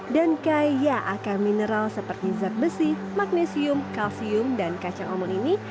dan kaya akar mineral seperti zat besi magnesium kalsium dan kacang almon ini